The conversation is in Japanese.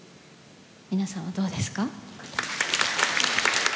皆さんはどうですか？